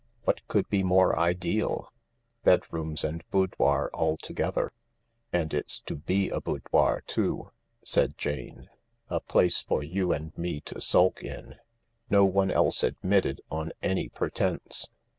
What could be more ideal ? Bedrooms and boudoir altogether. " And it's to be a boudoir, too," said Jane. " A place for you and me to sulk in. No one else admitted on any pretence."